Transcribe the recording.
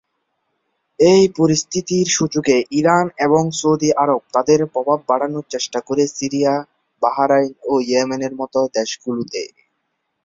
এই পরিস্থিতির সুযোগে ইরান এবং সৌদি আরব তাদের প্রভাব বাড়ানোর চেষ্টা করে সিরিয়া বাহরাইন ও ইয়েমেনের মতো দেশগুলোতে।